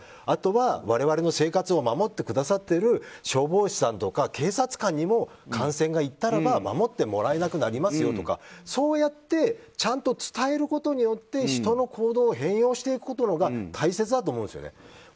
あとは我々の生活を守ってくださってる消防士さんとか警察官にも感染がいったらば守ってもらえなくなりますよとかそうやってちゃんと伝えることによって人の行動を変容していくことのほうが大切だと思うんですよね。